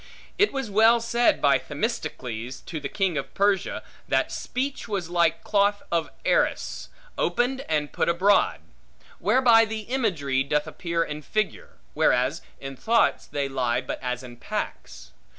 It was well said by Themistocles, to the king of Persia, That speech was like cloth of Arras, opened and put abroad; whereby the imagery doth appear in figure; whereas in thoughts they lie but as in packs.